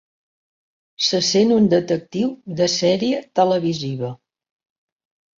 Se sent un detectiu de sèrie televisiva.